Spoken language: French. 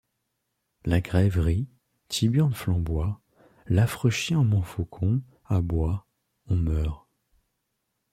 La Grève rit, Tyburn flamboie, L’affreux chien Montfaucon aboie, On meurt...